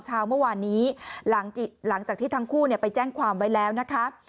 เช้าเมื่อวานนี้หลังจากที่ทั้งคู่ไปแจ้งความไว้แล้วนะคะ